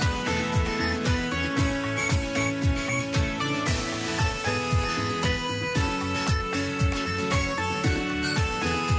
สวัสดีครับ